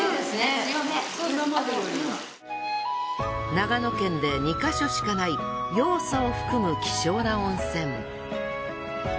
長野県で２か所しかないよう素を含む希少な温泉。